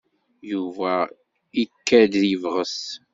Yuba ikad-d yebges.